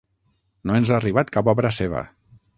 No ens ha arribat cap obra seva.